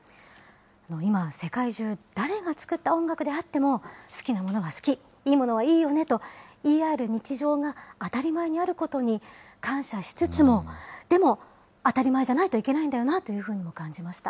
今、世界中、誰が作った音楽であっても、好きなものは好き、いいものはいいよねと言い合える日常が当たり前にあることに感謝しつつも、でも、当り前じゃないといけないんだよなというふうにも感じました。